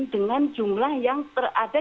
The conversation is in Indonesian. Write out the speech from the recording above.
dengan jumlah yang terada